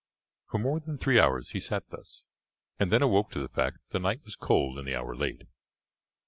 For more than three hours he sat thus, and then awoke to the fact that the night was cold and the hour late.